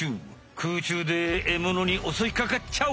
空中でえものにおそいかかっちゃう！